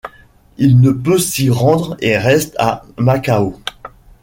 Il ne peut s'y rendre et reste à Macao.